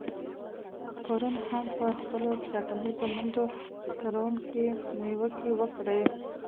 پېرون هم په خپلو ټاکنیزو منډو ترړو کې نیوکې وکړې.